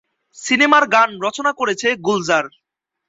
সিনেমার গান রচনা করেছে গুলজার।